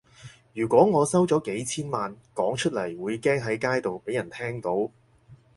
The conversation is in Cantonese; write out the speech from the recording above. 如果我收咗幾千萬，講出嚟會驚喺街度畀人聽到